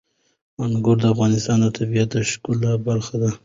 انګور د افغانستان د طبیعت د ښکلا برخه ده.